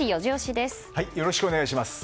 よろしくお願いします。